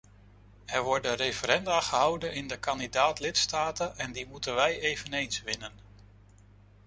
Er worden referenda gehouden in de kandidaat-lidstaten en die moeten wij eveneens winnen.